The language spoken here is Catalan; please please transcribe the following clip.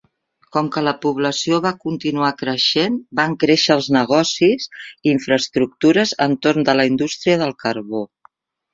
Com que la població va continuar creixent, van créixer els negocis i infraestructures entorn de la indústria del carbó.